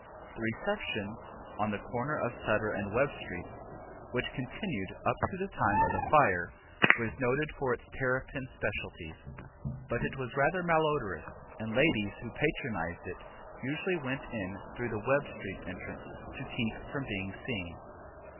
The Reception, on the corner of Sutter and Webb streets, which continued up to the time of the fire, was noted for its terrapin specialties, but it was rather malodorous and ladies who patronized it usually went in through the Webb street entrance to keep from being seen.